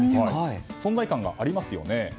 存在感がありますよね。